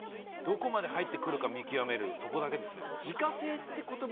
どこまで入ってくるか見極めるそこだけですよ。